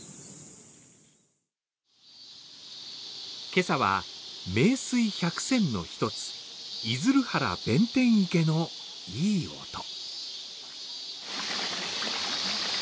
今朝は名水百選の一つ、出流原弁天池のいい音。